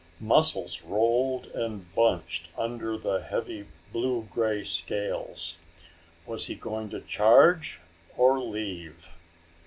Muscles rolled and bunched under the heavy blue grey scales. Was he going to charge or leave?